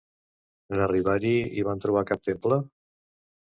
En arribar-hi, hi van trobar cap temple?